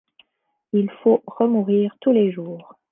Il faut remourir tous les jours.